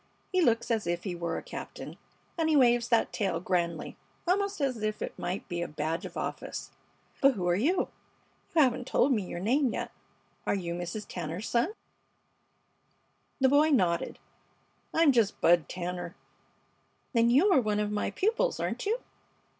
He looks as if he were a captain, and he waves that tail grandly, almost as if it might be a badge of office. But who are you? You haven't told me your name yet. Are you Mrs. Tanner's son?" The boy nodded. "I'm just Bud Tanner." "Then you are one of my pupils, aren't you?